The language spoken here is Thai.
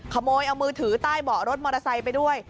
ขโมยเอามือถือใต้เบาะรถมอเตอร์ไซค์ไปด้วย